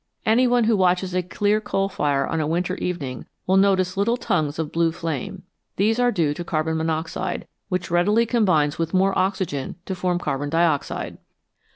Any one who watches a clear coal fire on a winter evening will notice little tongues of blue flame ; these are due to carbon monoxide, which readily combines with more oxygen to form carbon dioxide.